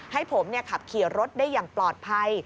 ให้ผมขับขี่รถได้อย่างปลอดภัย